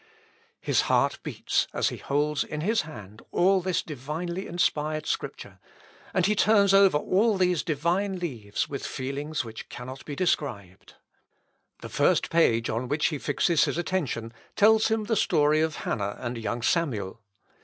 His heart beats as he holds in his hand all this divinely inspired Scripture, and he turns over all these divine leaves with feelings which cannot be described. The first page on which he fixes his attention tells him the history of Hannah and young Samuel.